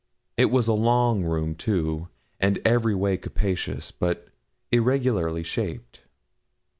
It was a long room too, and every way capacious, but irregularly shaped.